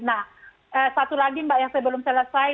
nah satu lagi mbak yang saya belum selesai